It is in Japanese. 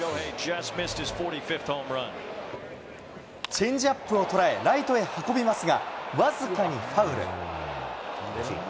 チェンジアップを捉えライトへ運びますが、僅かにファウル。